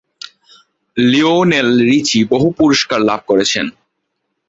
Lionel Richie বহু পুরস্কার লাভ করেছেন।